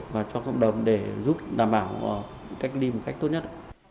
và cho cộng đồng để giúp đảm bảo cách ly một cách tốt nhất